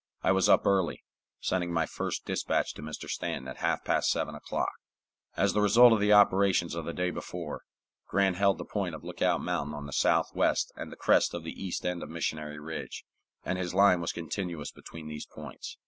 I was up early, sending my first dispatch to Mr. Stanton at half past seven o'clock. As the result of the operations of the day before, Grant held the point of Lookout Mountain on the southwest and the crest of the east end of Missionary Ridge, and his line was continuous between these points.